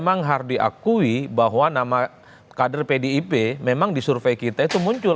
memang harus diakui bahwa nama kader pdip memang di survei kita itu muncul